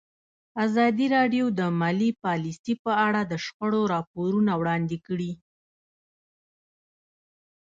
ازادي راډیو د مالي پالیسي په اړه د شخړو راپورونه وړاندې کړي.